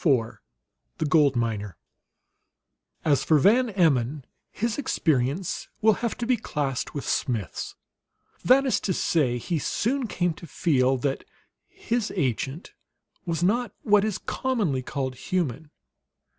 IV THE GOLD MINER As for Van Emmon, his experience will have to be classed with Smith's. That is to say, he soon came to feel that his agent was not what is commonly called human.